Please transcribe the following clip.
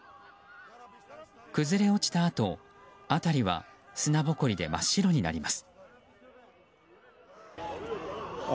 崩れ落ちたあと、辺りは砂ぼこりで真っ白になります。